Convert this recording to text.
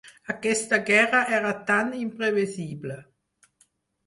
Aquesta guerra era tan imprevisible.